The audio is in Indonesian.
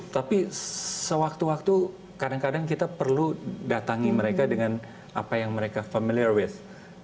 tapi sewaktu waktu kadang kadang kita perlu datangi mereka dengan apa yang mereka familiar with